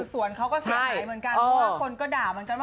ส่วนเขาก็เสียหายเหมือนกันเพราะว่าคนก็ด่าเหมือนกันว่า